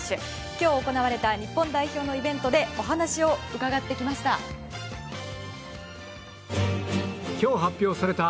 今日、行われた日本代表のイベントでお話を伺ってきました。